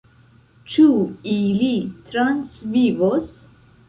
Ĉu ili transvivos?